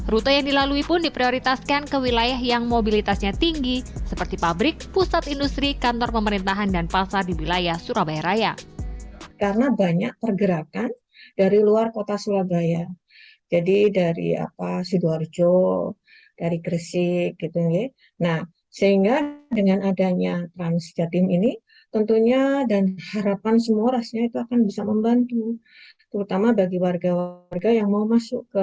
rute yang dilalui pun diprioritaskan ke wilayah yang mobilitasnya tinggi seperti pabrik pusat industri kantor pemerintahan dan pasar di wilayah surabaya raya